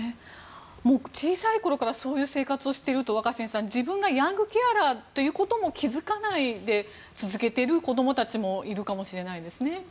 小さい頃からそういう生活をしていると自分がヤングケアラーということも気付かないで続けている子どもたちもいるかもしれないですね。